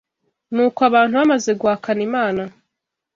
Nuko abantu bamaze guhakana Imana